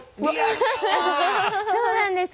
そうなんです。